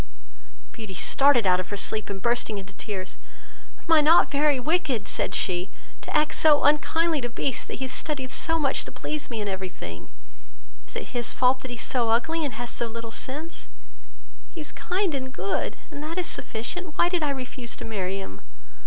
Beauty started out of her sleep and bursting into tears, "Am not I very wicked, (said she) to act so unkindly to Beast, that has studied so much to please me in every thing? Is it his fault that he is so ugly, and has so little sense? He is kind and good, and that is sufficient. Why did I refuse to marry him?